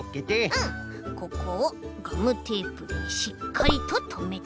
ここをガムテープでしっかりととめて。